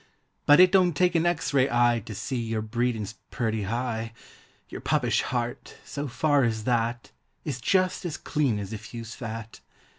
But it don't take an X ray eye To see your breedin's purty high— lour puppish heart, so far as that, Is just as clean as if you's fat.